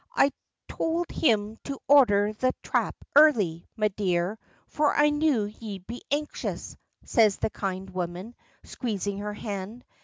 "I tould him to order the thrap early, me dear, for I knew ye'd be anxious," says the kind woman, squeezing her hand.